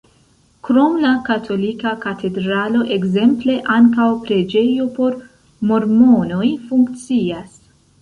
Krom la katolika katedralo ekzemple ankaŭ preĝejo por mormonoj funkcias.